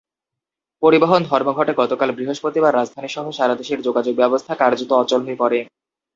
পরিবহন ধর্মঘটে গতকাল বৃহস্পতিবার রাজধানীসহ সারা দেশের যোগাযোগব্যবস্থা কার্যত অচল হয়ে পড়ে।